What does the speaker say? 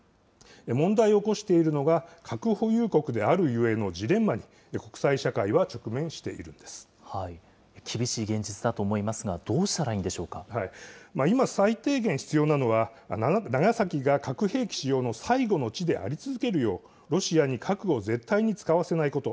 問題を起こしているのが核保有国であるゆえのジレンマに国際社会厳しい現実だと思いますが、今、最低限必要なのは、長崎が核兵器使用の最後の地であり続けるよう、ロシアに核を絶対に使わせないこと。